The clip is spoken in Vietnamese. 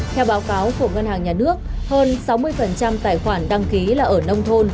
theo báo cáo của ngân hàng nhà nước hơn sáu mươi tài khoản đăng ký là ở nông thôn